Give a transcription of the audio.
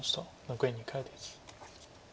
残り２回です。